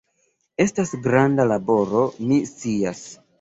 Estas granda laboro, mi scias.